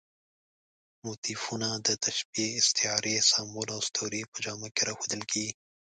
موتیفونه د تشبیه، استعارې، سمبول او اسطورې په جامه کې راښودل کېږي.